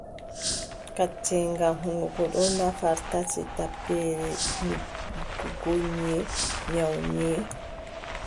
Kacceenga hunnduko oɗn nafar tati: tampere yiggugo nyiiʼe, nyawu nyiiʼe,